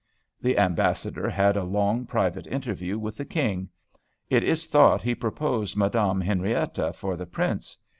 "The Ambassador had a long private interview with the king; it is thought he proposed Mad. Henriette for the Prince.